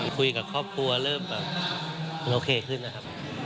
คุยกับครอบครัวเริ่มแบบโอเคขึ้นนะครับ